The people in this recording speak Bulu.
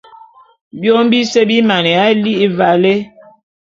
Biôm bise bi maneya li'i valé.